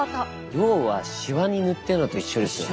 要はしわに塗ってるのと一緒ですよね。